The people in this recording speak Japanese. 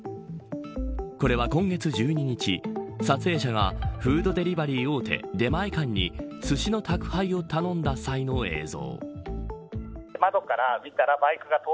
これは今月１２日撮影者が、フードデリバリー大手出前館にすしの宅配を頼んだ際の映像。